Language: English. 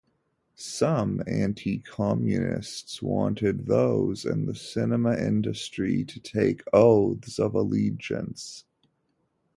Some anti-Communists wanted those in the cinema industry to take oaths of allegiance.